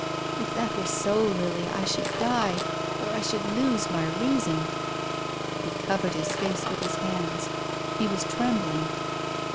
If that were so, Lily, I should die, or I should lose my reason." He covered his face witli his hands. He was trembling.